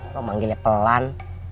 lo manggilnya pelan